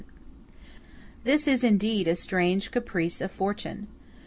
] This is indeed a strange caprice of fortune.